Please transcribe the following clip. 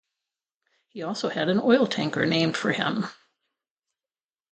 He also had an oil tanker named for him.